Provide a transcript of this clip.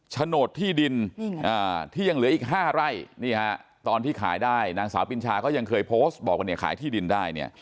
โฉนดที่ดินที่ยังเหลืออีก๕ไร่นี่ฮะตอนที่ขายได้นางสาวปินชาก็ยังเคยโพสต์บอกว่าเนี่ยขายที่ดินได้เนี่ย